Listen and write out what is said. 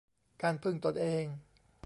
การพึ่งตนเอง